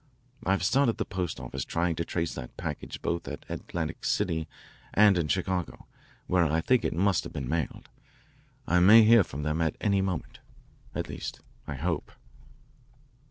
I've started the post office trying to trace that package both at Atlantic City and in Chicago, where I think it must have been mailed. I may hear from them at any moment at least, I hope."